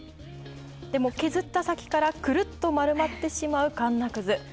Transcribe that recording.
でも、削った先からくるっと丸まってしまうかんなくず。